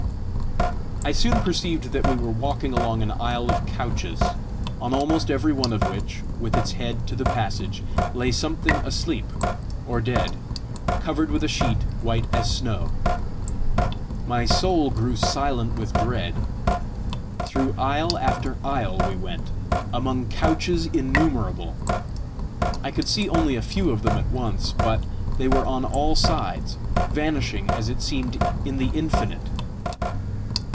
I soon perceived that we were walking along an aisle of couches, on almost every one of which, with its head to the passage, lay something asleep or dead, covered with a sheet white as snow. My soul grew silent with dread. Through aisle after aisle we went, among couches innumerable. I could see only a few of them at once, but they were on all sides, vanishing, as it seemed, in the infinite.